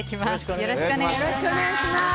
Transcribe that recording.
よろしくお願いします。